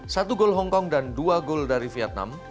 satu gol hongkong dan dua gol dari vietnam